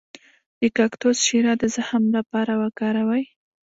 د کاکتوس شیره د زخم لپاره وکاروئ